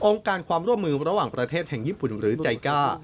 การความร่วมมือระหว่างประเทศแห่งญี่ปุ่นหรือใจก้า